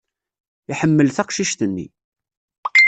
Iḥemmel taqcict-nni.